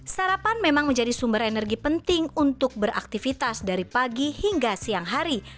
sarapan memang menjadi sumber energi penting untuk beraktivitas dari pagi hingga siang hari